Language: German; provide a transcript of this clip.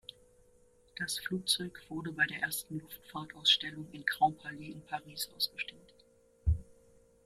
Das Flugzeug wurde bei der ersten Luftfahrtausstellung in Grand Palais in Paris ausgestellt.